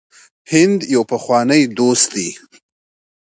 هند یو پخوانی دوست دی.